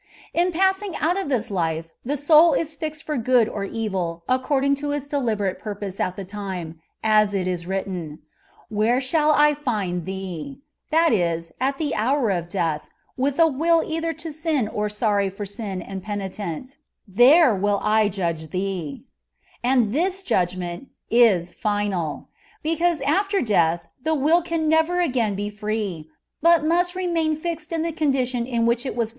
In passing out of this life the soul is fixed for good or evil, according to its deliberate purpose at the time ; as it is written, " Where I ahall find thee (that is, at the hour of death, with a will either to sin or sony for sin and penitent), there wiU I jvdge 'thee ;" and this judgment is final ; because after death the will can never again be free, but must remain fixed in the condition in which it was A TBEATISE ON PUBGATOBY.